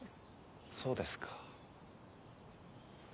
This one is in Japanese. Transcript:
そうですか。